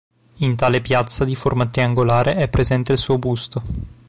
In tale piazza, di forma triangolare, è presente il suo busto.